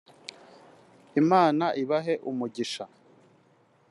Imana abahe umugisha